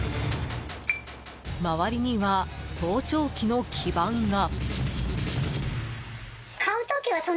周りには盗聴器の基盤が。